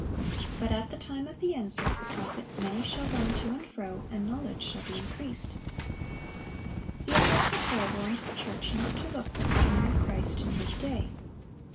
But at the time of the end, says the prophet, "many shall run to and fro, and knowledge shall be increased."(591) The apostle Paul warned the church not to look for the coming of Christ in his day.